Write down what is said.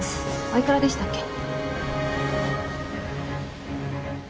おいくらでしたっけ？